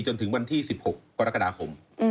จนถึงวันที่๑๖กรกฎาคม